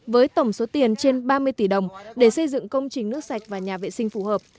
với tổng số tiền trên ba mươi tỷ đồng để xây dựng công trình nước sạch và nhà vệ sinh phù hợp